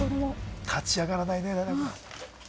立ち上がらないね。